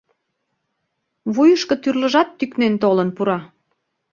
Вуйышко тӱрлыжат тӱкнен толын пура.